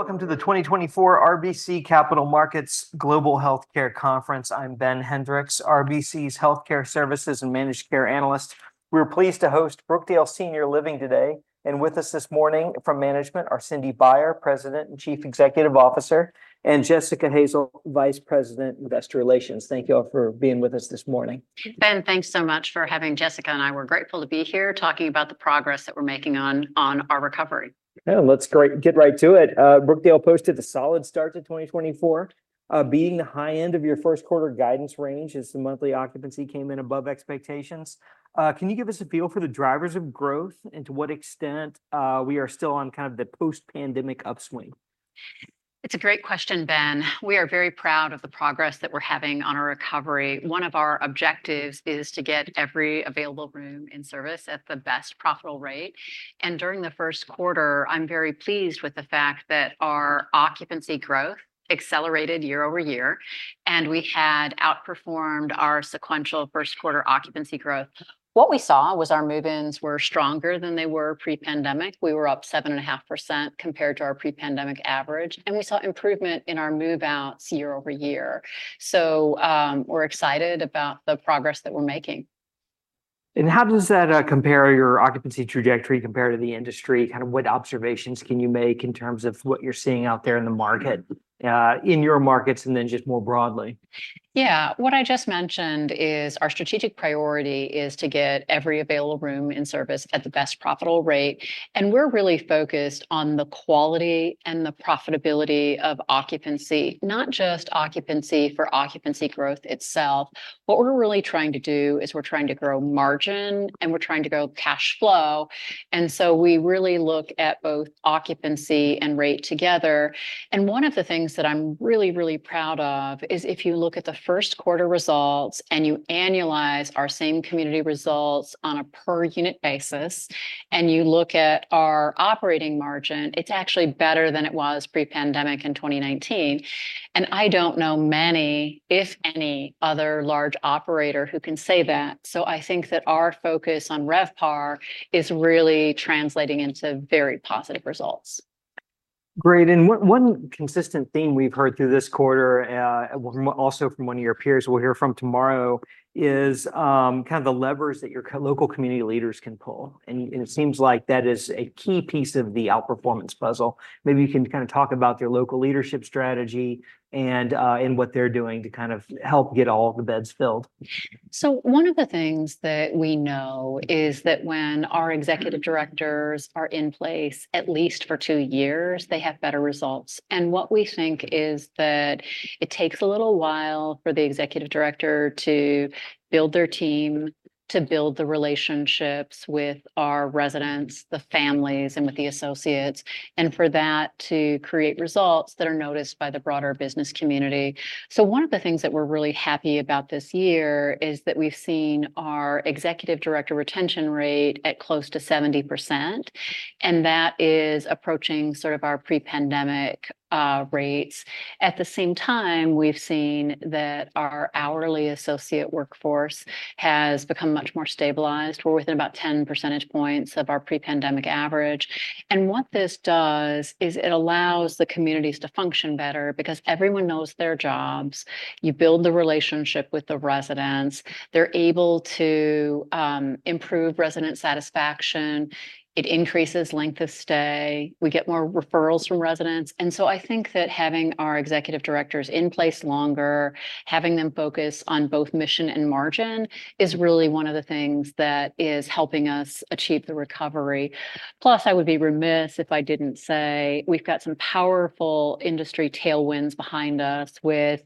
Welcome to the 2024 RBC Capital Markets Global Healthcare Conference. I'm Ben Hendrix, RBC's healthcare services and managed care analyst. We're pleased to host Brookdale Senior Living today, and with us this morning from management are Cindy Baier, President and Chief Executive Officer, and Jessica Hazel, Vice President, Investor Relations. Thank you all for being with us this morning. Ben, thanks so much for having Jessica and I. We're grateful to be here talking about the progress that we're making on our recovery. Yeah, let's get right to it. Brookdale posted a solid start to 2024, beating the high end of your first quarter guidance range as the monthly occupancy came in above expectations. Can you give us a feel for the drivers of growth, and to what extent we are still on kind of the post-pandemic upswing? It's a great question, Ben. We are very proud of the progress that we're having on our recovery. One of our objectives is to get every available room in service at the best profitable rate, and during the first quarter, I'm very pleased with the fact that our occupancy growth accelerated year-over-year, and we had outperformed our sequential first quarter occupancy growth. What we saw was our move-ins were stronger than they were pre-pandemic. We were up 7.5% compared to our pre-pandemic average, and we saw improvement in our move-outs year-over-year. So, we're excited about the progress that we're making. How does that compare, your occupancy trajectory compare to the industry? Kind of, what observations can you make in terms of what you're seeing out there in the market, in your markets, and then just more broadly? Yeah. What I just mentioned is our strategic priority is to get every available room in service at the best profitable rate, and we're really focused on the quality and the profitability of occupancy, not just occupancy for occupancy growth itself. What we're really trying to do is we're trying to grow margin, and we're trying to grow cash flow, and so we really look at both occupancy and rate together. And one of the things that I'm really, really proud of is if you look at the first quarter results, and you annualize our same community results on a per-unit basis, and you look at our operating margin, it's actually better than it was pre-pandemic in 2019, and I don't know many, if any, other large operator who can say that. So I think that our focus on RevPAR is really translating into very positive results. Great, and one consistent theme we've heard through this quarter and also from one of your peers we'll hear from tomorrow is kind of the levers that your local community leaders can pull, and it seems like that is a key piece of the outperformance puzzle. Maybe you can kind of talk about your local leadership strategy and what they're doing to kind of help get all of the beds filled. So one of the things that we know is that when our executive directors are in place, at least for two years, they have better results, and what we think is that it takes a little while for the executive director to build their team, to build the relationships with our residents, the families, and with the associates, and for that to create results that are noticed by the broader business community. So one of the things that we're really happy about this year is that we've seen our executive director retention rate at close to 70%, and that is approaching sort of our pre-pandemic rates. At the same time, we've seen that our hourly associate workforce has become much more stabilized. We're within about 10 percentage points of our pre-pandemic average, and what this does is it allows the communities to function better because everyone knows their jobs. You build the relationship with the residents. They're able to improve resident satisfaction. It increases length of stay. We get more referrals from residents, and so I think that having our executive directors in place longer, having them focus on both mission and margin, is really one of the things that is helping us achieve the recovery. Plus, I would be remiss if I didn't say we've got some powerful industry tailwinds behind us with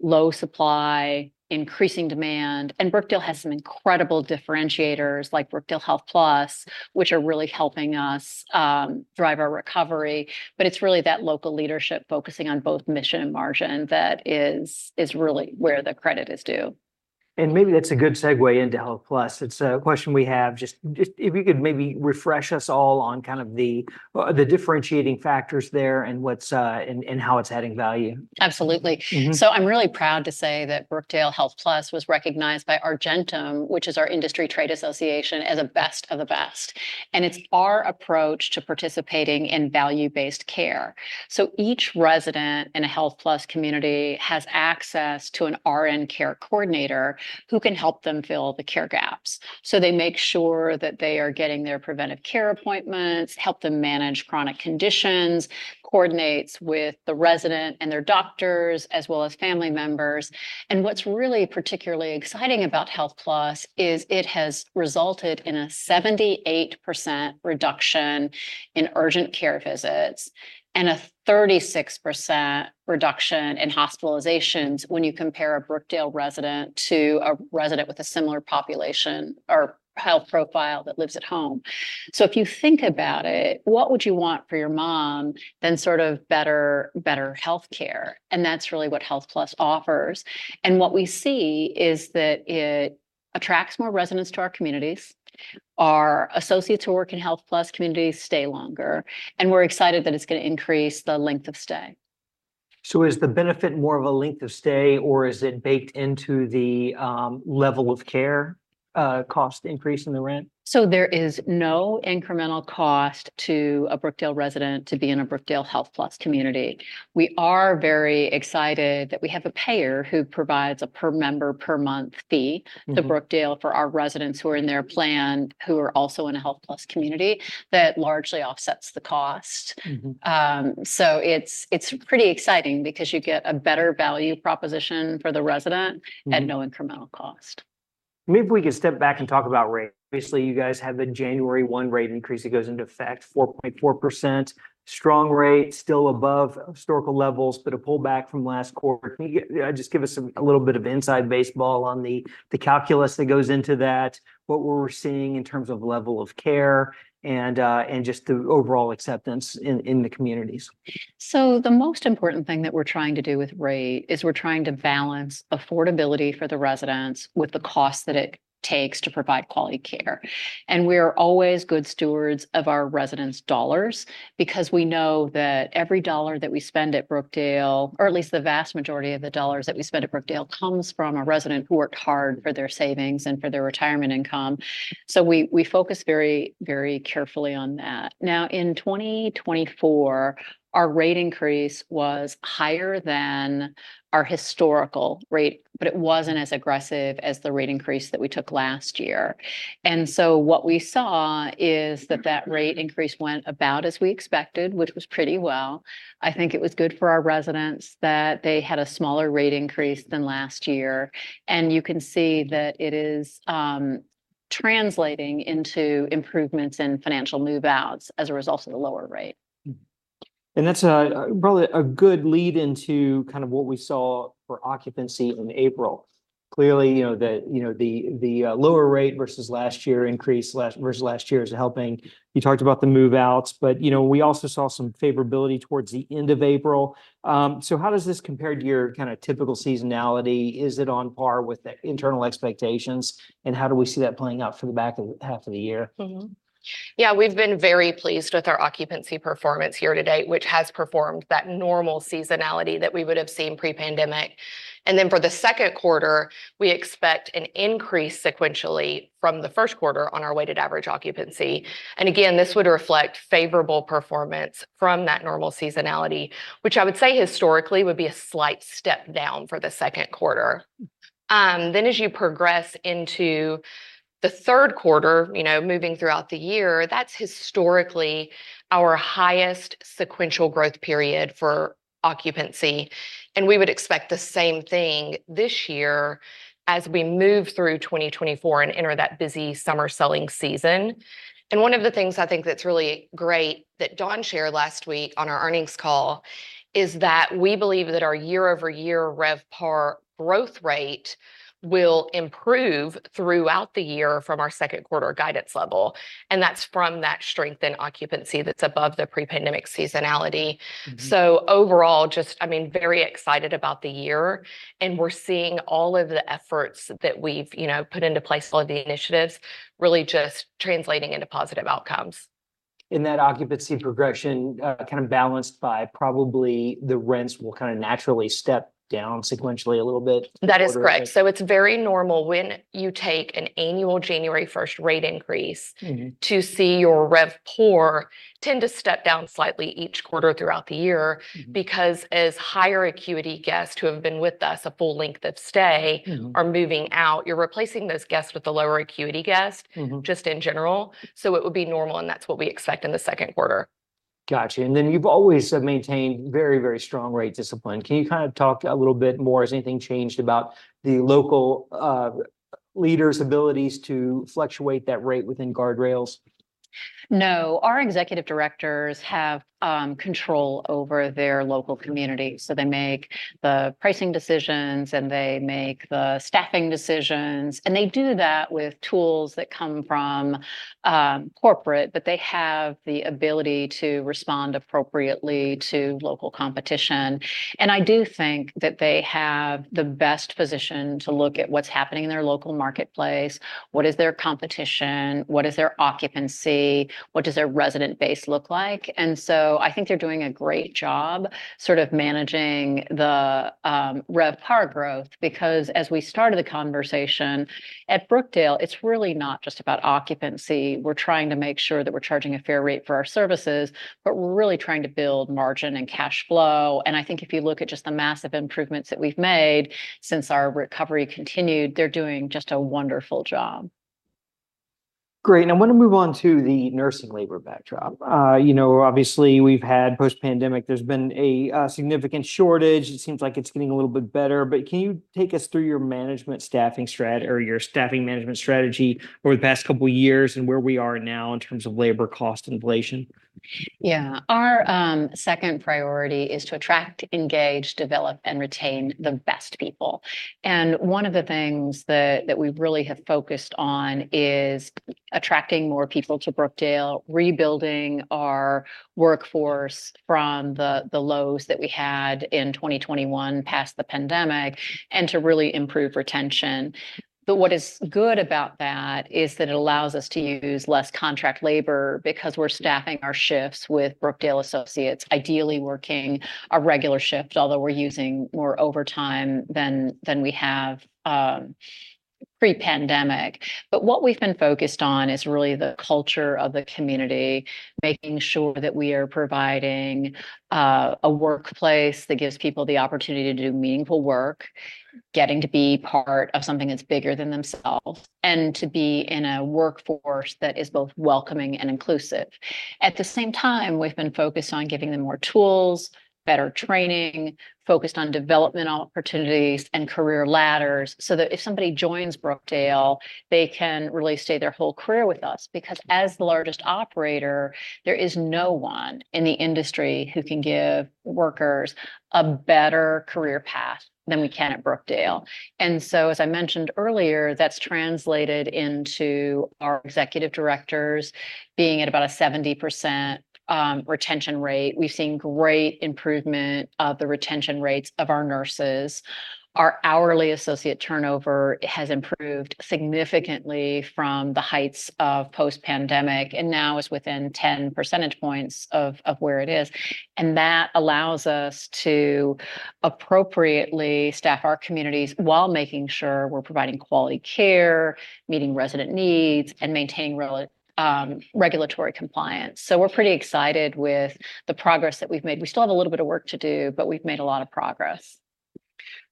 low supply, increasing demand, and Brookdale has some incredible differentiators, like Brookdale HealthPlus, which are really helping us drive our recovery. But it's really that local leadership focusing on both mission and margin that is really where the credit is due. Maybe that's a good segue into HealthPlus. It's a question we have. Just, just if you could maybe refresh us all on kind of the differentiating factors there, and what's, and, and how it's adding value. Absolutely. Mm-hmm. So I'm really proud to say that Brookdale HealthPlus was recognized by Argentum, which is our industry trade association, as a best of the best, and it's our approach to participating in value-based care. Each resident in a HealthPlus community has access to an RN care coordinator who can help them fill the care gaps. They make sure that they are getting their preventive care appointments, help them manage chronic conditions, coordinates with the resident and their doctors, as well as family members, and what's really particularly exciting about HealthPlus is it has resulted in a 78% reduction in urgent care visits and a 36% reduction in hospitalizations when you compare a Brookdale resident to a resident with a similar population or health profile that lives at home. If you think about it, what would you want for your mom than sort of better, better healthcare? That's really what HealthPlus offers, and what we see is that it attracts more residents to our communities. Our associates who work in HealthPlus communities stay longer, and we're excited that it's gonna increase the length of stay.... So is the benefit more of a length of stay, or is it baked into the level of care, cost increase in the rent? So there is no incremental cost to a Brookdale resident to be in a Brookdale HealthPlus community. We are very excited that we have a payer who provides a per-member, per-month fee- Mm-hmm... to Brookdale for our residents who are in their plan, who are also in a HealthPlus community, that largely offsets the cost. Mm-hmm. It's pretty exciting because you get a better value proposition for the resident- Mm... at no incremental cost. Maybe if we could step back and talk about rate. Obviously, you guys had the January 1 rate increase that goes into effect, 4.4%. Strong rate, still above historical levels, but a pullback from last quarter. Can you just give us some, a little bit of inside baseball on the, the calculus that goes into that, what we're seeing in terms of level of care, and, and just the overall acceptance in, in the communities? So the most important thing that we're trying to do with rate is we're trying to balance affordability for the residents with the cost that it takes to provide quality care. And we're always good stewards of our residents' dollars, because we know that every dollar that we spend at Brookdale, or at least the vast majority of the dollars that we spend at Brookdale, comes from a resident who worked hard for their savings and for their retirement income. So we, we focus very, very carefully on that. Now, in 2024, our rate increase was higher than our historical rate, but it wasn't as aggressive as the rate increase that we took last year. And so what we saw is that that rate increase went about as we expected, which was pretty well. I think it was good for our residents that they had a smaller rate increase than last year, and you can see that it is translating into improvements in financial move-outs as a result of the lower rate. And that's really a good lead-in to kind of what we saw for occupancy in April. Clearly, you know, the lower rate versus last year increase versus last year is helping. You talked about the move-outs, but, you know, we also saw some favorability towards the end of April. So how does this compare to your kind of typical seasonality? Is it on par with the internal expectations, and how do we see that playing out for the back half of the year? Mm-hmm. Yeah, we've been very pleased with our occupancy performance here to date, which has performed that normal seasonality that we would have seen pre-pandemic. And then for the second quarter, we expect an increase sequentially from the first quarter on our weighted average occupancy. And again, this would reflect favorable performance from that normal seasonality, which I would say historically would be a slight step down for the second quarter. Then as you progress into the third quarter, you know, moving throughout the year, that's historically our highest sequential growth period for occupancy, and we would expect the same thing this year as we move through 2024 and enter that busy summer selling season. One of the things I think that's really great, that Dawn shared last week on our earnings call, is that we believe that our year-over-year RevPAR growth rate will improve throughout the year from our second quarter guidance level, and that's from that strength in occupancy that's above the pre-pandemic seasonality. Mm-hmm. Overall, just, I mean, very excited about the year, and we're seeing all of the efforts that we've, you know, put into place, a lot of the initiatives, really just translating into positive outcomes. That occupancy progression, kind of balanced by probably the rents will kind of naturally step down sequentially a little bit in the quarter- That is correct. So it's very normal when you take an annual January 1st rate increase- Mm-hmm... to see your RevPAR tend to step down slightly each quarter throughout the year. Mm-hmm. Because as higher acuity guests who have been with us a full length of stay- Mm-hmm... are moving out, you're replacing those guests with a lower acuity guest- Mm-hmm... just in general. So it would be normal, and that's what we expect in the second quarter. Gotcha. And then you've always maintained very, very strong rate discipline. Can you kind of talk a little bit more? Has anything changed about the local leaders' abilities to fluctuate that rate within guardrails? No. Our executive directors have control over their local community, so they make the pricing decisions, and they make the staffing decisions, and they do that with tools that come from corporate. But they have the ability to respond appropriately to local competition. And I do think that they have the best position to look at what's happening in their local marketplace, what is their competition, what is their occupancy, what does their resident base look like? And so I think they're doing a great job sort of managing the RevPAR growth, because as we started the conversation, at Brookdale, it's really not just about occupancy. We're trying to make sure that we're charging a fair rate for our services, but we're really trying to build margin and cash flow. I think if you look at just the massive improvements that we've made since our recovery continued, they're doing just a wonderful job. Great. Now, I wanna move on to the nursing labor backdrop. You know, obviously, we've had post-pandemic, there's been a significant shortage. It seems like it's getting a little bit better, but can you take us through your management staffing or your staffing management strategy over the past couple years and where we are now in terms of labor cost inflation? ... Yeah, our second priority is to attract, engage, develop, and retain the best people. And one of the things that we really have focused on is attracting more people to Brookdale, rebuilding our workforce from the lows that we had in 2021 past the pandemic, and to really improve retention. But what is good about that is that it allows us to use less contract labor because we're staffing our shifts with Brookdale associates, ideally working a regular shift, although we're using more overtime than we have pre-pandemic. But what we've been focused on is really the culture of the community, making sure that we are providing a workplace that gives people the opportunity to do meaningful work, getting to be part of something that's bigger than themselves, and to be in a workforce that is both welcoming and inclusive. At the same time, we've been focused on giving them more tools, better training, focused on development opportunities and career ladders, so that if somebody joins Brookdale, they can really stay their whole career with us. Because as the largest operator, there is no one in the industry who can give workers a better career path than we can at Brookdale. And so as I mentioned earlier, that's translated into our executive directors being at about a 70% retention rate. We've seen great improvement of the retention rates of our nurses. Our hourly associate turnover has improved significantly from the heights of post-pandemic, and now is within 10 percentage points of where it is. And that allows us to appropriately staff our communities while making sure we're providing quality care, meeting resident needs, and maintaining regulatory compliance. So we're pretty excited with the progress that we've made. We still have a little bit of work to do, but we've made a lot of progress.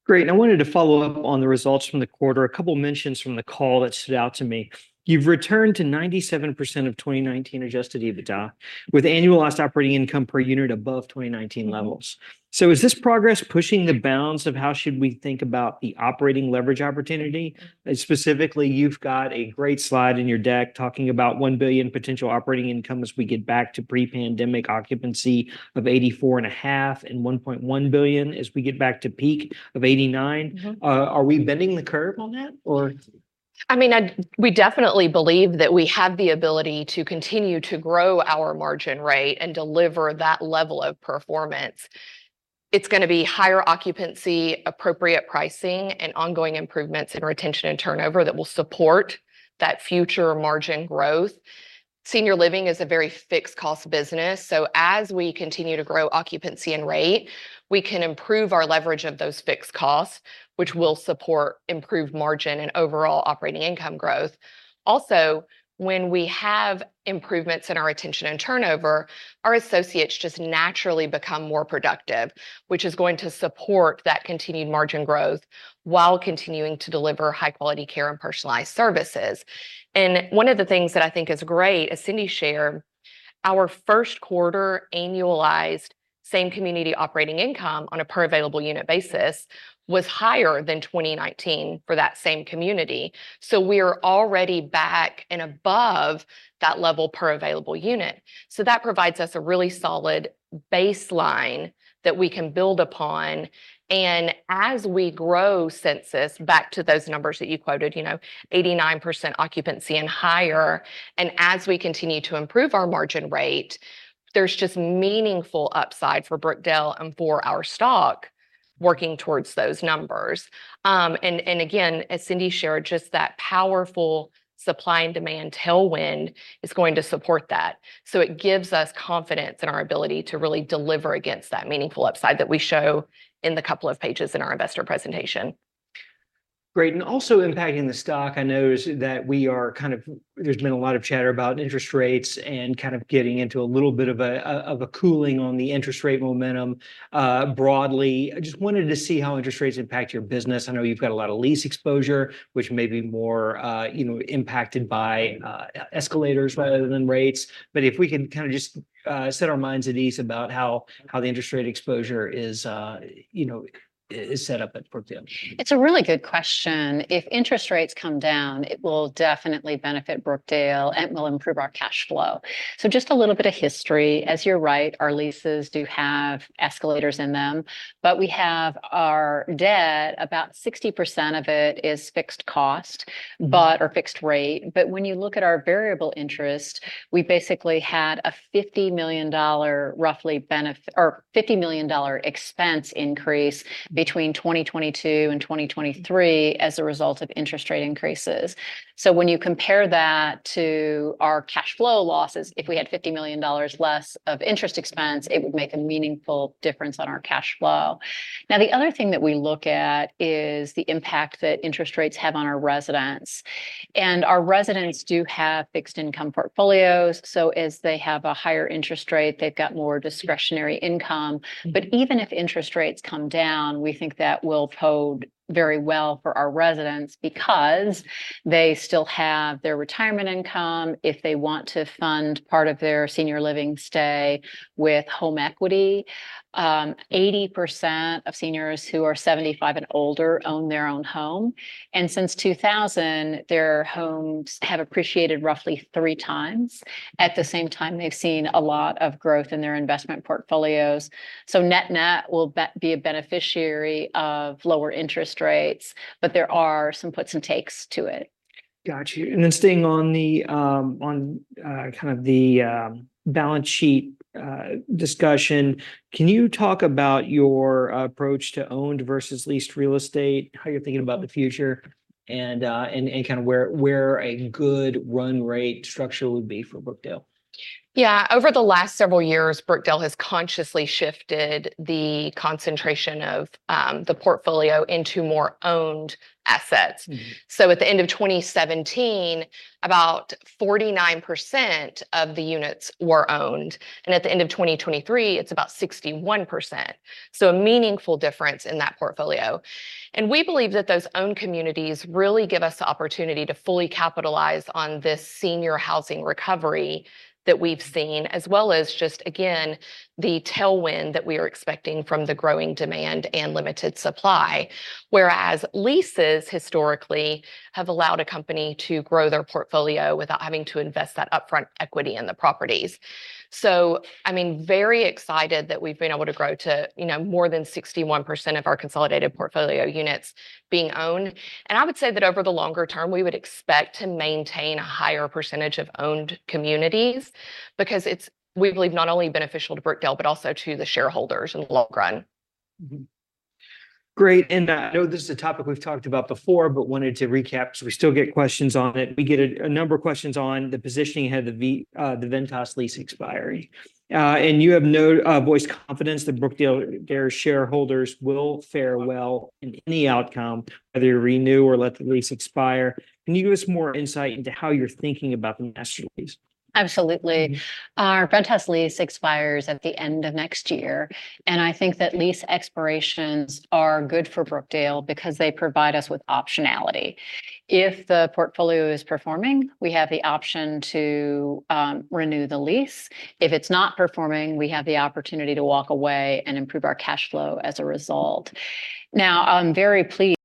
Great. I wanted to follow up on the results from the quarter. A couple mentions from the call that stood out to me. You've returned to 97% of 2019 adjusted EBITDA, with annualized operating income per unit above 2019 levels. So is this progress pushing the bounds of how should we think about the operating leverage opportunity? Specifically, you've got a great slide in your deck talking about $1 billion potential operating income as we get back to pre-pandemic occupancy of 84.5, and $1.1 billion as we get back to peak of 89. Mm-hmm. Are we bending the curve on that, or? I mean, we definitely believe that we have the ability to continue to grow our margin rate and deliver that level of performance. It's gonna be higher occupancy, appropriate pricing, and ongoing improvements in retention and turnover that will support that future margin growth. Senior living is a very fixed-cost business, so as we continue to grow occupancy and rate, we can improve our leverage of those fixed costs, which will support improved margin and overall operating income growth. Also, when we have improvements in our retention and turnover, our associates just naturally become more productive, which is going to support that continued margin growth, while continuing to deliver high-quality care and personalized services. One of the things that I think is great, as Cindy shared, our first quarter annualized same-community operating income on a per-available unit basis was higher than 2019 for that same community. So we're already back and above that level per available unit. So that provides us a really solid baseline that we can build upon. And as we grow census back to those numbers that you quoted, you know, 89% occupancy and higher, and as we continue to improve our margin rate, there's just meaningful upside for Brookdale and for our stock working towards those numbers. And again, as Cindy shared, just that powerful supply and demand tailwind is going to support that. So it gives us confidence in our ability to really deliver against that meaningful upside that we show in the couple of pages in our investor presentation. Great. And also impacting the stock, I notice that we are kind of... There's been a lot of chatter about interest rates and kind of getting into a little bit of a cooling on the interest rate momentum, broadly. I just wanted to see how interest rates impact your business. I know you've got a lot of lease exposure, which may be more, you know, impacted by escalators rather than rates. But if we can kinda just set our minds at ease about how the interest rate exposure is, you know, set up at Brookdale. It's a really good question. If interest rates come down, it will definitely benefit Brookdale, and it will improve our cash flow. So just a little bit of history. As you're right, our leases do have escalators in them, but we have our debt, about 60% of it is fixed cost, or fixed rate. But when you look at our variable interest, we basically had a $50 million roughly or $50 million expense increase between 2022 and 2023 as a result of interest rate increases. So when you compare that to our cash flow losses, if we had $50 million less of interest expense, it would make a meaningful difference on our cash flow. Now, the other thing that we look at is the impact that interest rates have on our residents. And our residents do have fixed income portfolios, so as they have a higher interest rate, they've got more discretionary income. But even if interest rates come down, we think that will bode very well for our residents because they still have their retirement income if they want to fund part of their senior living stay with home equity. 80% of seniors who are 75 and older own their own home, and since 2000, their homes have appreciated roughly three times. At the same time, they've seen a lot of growth in their investment portfolios. So net net, we'll be a beneficiary of lower interest rates, but there are some puts and takes to it. Got you. And then staying on the balance sheet discussion, can you talk about your approach to owned versus leased real estate, how you're thinking about the future, and kind of where a good run rate structure would be for Brookdale? Yeah. Over the last several years, Brookdale has consciously shifted the concentration of the portfolio into more owned assets. Mm-hmm. At the end of 2017, about 49% of the units were owned, and at the end of 2023, it's about 61%, so a meaningful difference in that portfolio. We believe that those owned communities really give us the opportunity to fully capitalize on this senior housing recovery that we've seen, as well as just, again, the tailwind that we are expecting from the growing demand and limited supply. Whereas leases historically have allowed a company to grow their portfolio without having to invest that upfront equity in the properties. I mean, very excited that we've been able to grow to, you know, more than 61% of our consolidated portfolio units being owned. I would say that over the longer term, we would expect to maintain a higher percentage of owned communities, because it's, we believe, not only beneficial to Brookdale, but also to the shareholders in the long run.... Mm-hmm. Great, and I know this is a topic we've talked about before, but wanted to recap, so we still get questions on it. We get a number of questions on the positioning ahead of the Ventas lease expiry. And you have voiced confidence that Brookdale, their shareholders will fare well in any outcome, whether you renew or let the lease expire. Can you give us more insight into how you're thinking about the master lease? Absolutely. Our Ventas lease expires at the end of next year, and I think that lease expirations are good for Brookdale because they provide us with optionality. If the portfolio is performing, we have the option to renew the lease. If it's not performing, we have the opportunity to walk away and improve our cash flow as a result. Now, I'm very pleased,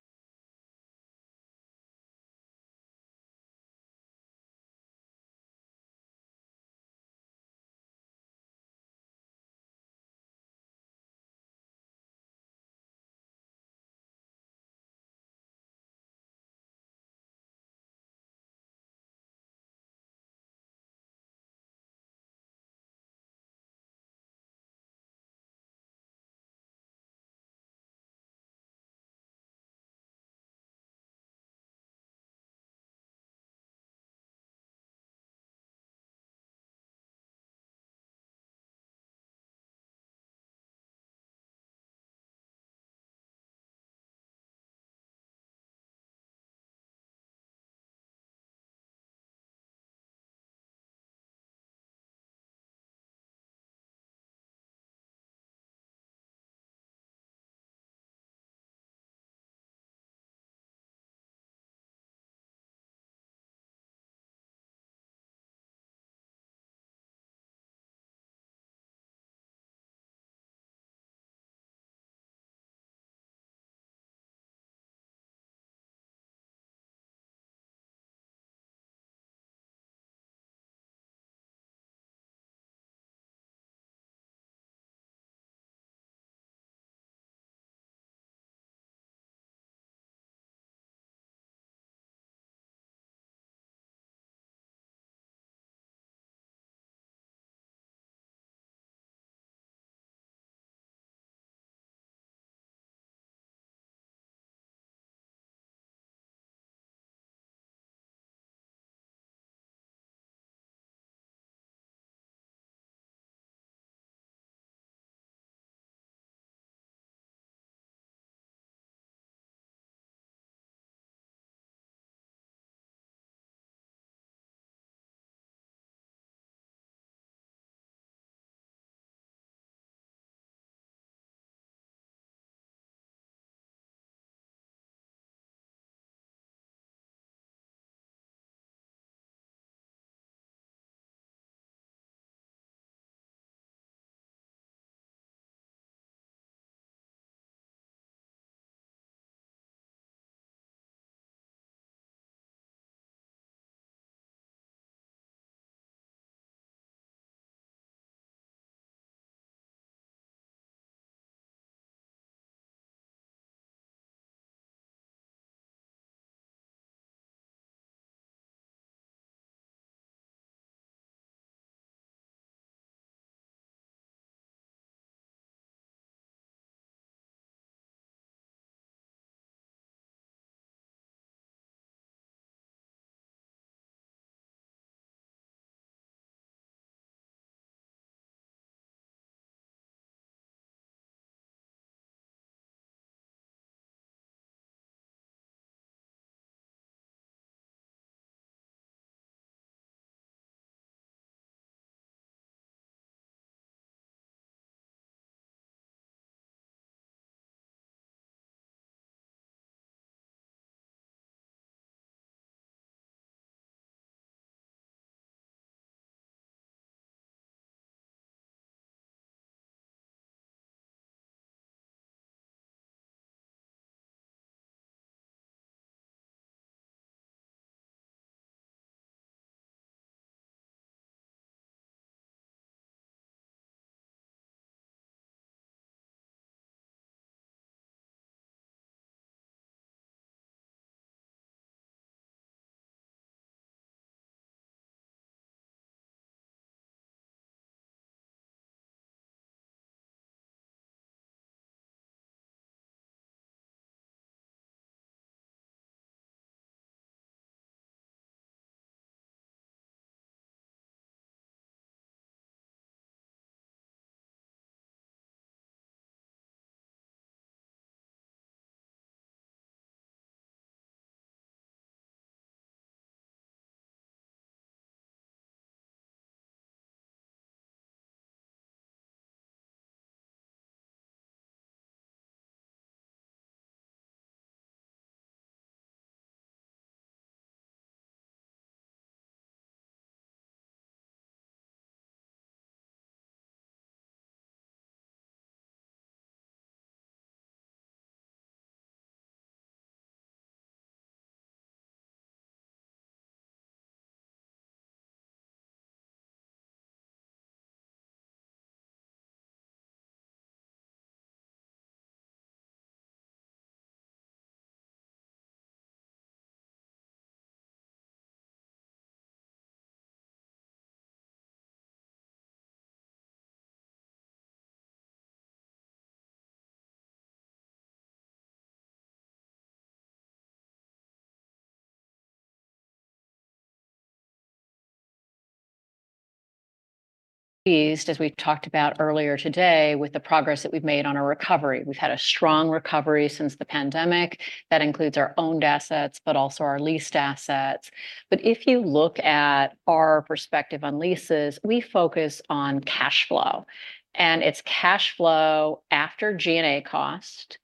as we've talked about earlier today, with the progress that we've made on our recovery. We've had a strong recovery since the pandemic. That includes our owned assets, but also our leased assets. But if you look at our perspective on leases, we focus on cash flow, and it's cash flow after G&A cost,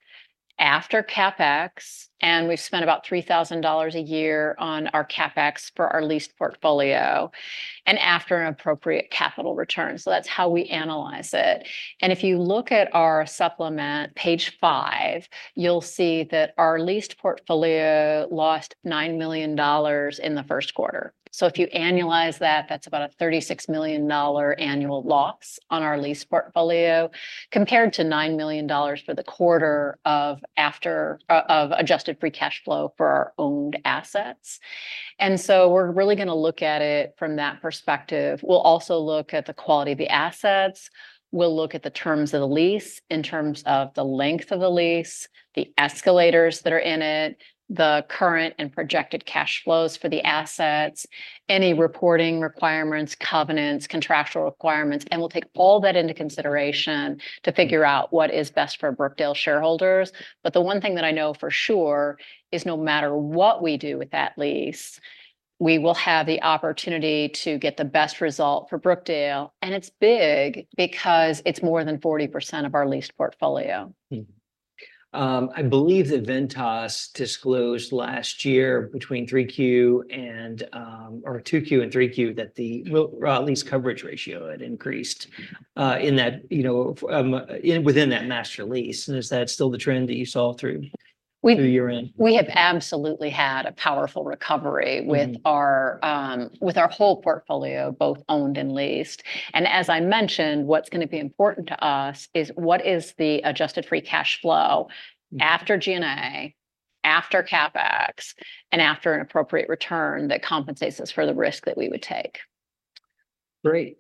after CapEx, and we've spent about $3,000 a year on our CapEx for our leased portfolio, and after an appropriate capital return. So that's how we analyze it. And if you look at our supplement, page 5, you'll see that our leased portfolio lost $9 million in the first quarter. So if you annualize that, that's about a $36 million annual loss on our lease portfolio, compared to $9 million for the quarter of Adjusted Free Cash Flow for our owned assets. And so we're really gonna look at it from that perspective. We'll also look at the quality of the assets. We'll look at the terms of the lease in terms of the length of the lease, the escalators that are in it, the current and projected cash flows for the assets, any reporting requirements, covenants, contractual requirements, and we'll take all that into consideration to figure out what is best for Brookdale shareholders. But the one thing that I know for sure is no matter what we do with that lease, we will have the opportunity to get the best result for Brookdale, and it's big because it's more than 40% of our leased portfolio. I believe that Ventas disclosed last year between 3Q and or 2Q and 3Q, that the lease coverage ratio had increased in that, you know, in within that master lease. And is that still the trend that you saw through- We- the year end? We have absolutely had a powerful recovery- Mm... with our, with our whole portfolio, both owned and leased. As I mentioned, what's gonna be important to us is what is the Adjusted Free Cash Flow- Mm... after G&A, after CapEx, and after an appropriate return that compensates us for the risk that we would take. Great.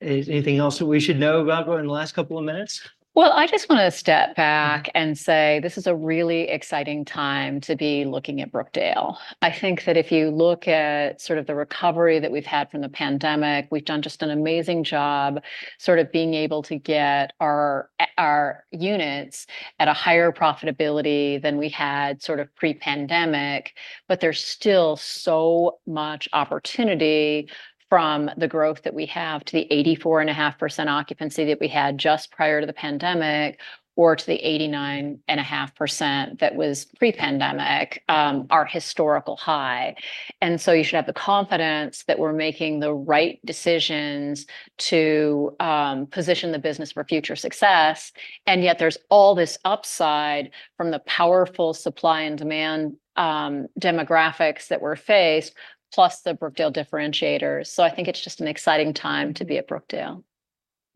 Is anything else that we should know about in the last couple of minutes? Well, I just wanna step back and say this is a really exciting time to be looking at Brookdale. I think that if you look at sort of the recovery that we've had from the pandemic, we've done just an amazing job sort of being able to get our units at a higher profitability than we had sort of pre-pandemic. But there's still so much opportunity from the growth that we have to the 84.5% occupancy that we had just prior to the pandemic, or to the 89.5% that was pre-pandemic, our historical high. And so you should have the confidence that we're making the right decisions to position the business for future success. And yet there's all this upside from the powerful supply and demand demographics that we're faced, plus the Brookdale differentiators. I think it's just an exciting time to be at Brookdale.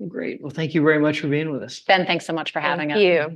Great. Well, thank you very much for being with us. Ben, thanks so much for having us.